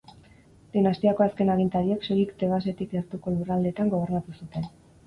Dinastiako azken agintariek, soilik Tebasetik gertuko lurraldeetan gobernatu zuten.